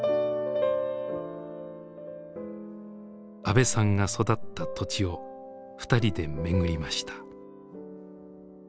阿部さんが育った土地をふたりで巡りました。